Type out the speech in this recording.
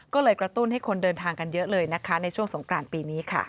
ก็เลยกระตุ้นให้คนเดินทางกันเยอะเลยนะคะในช่วงสงกรานปีนี้ค่ะ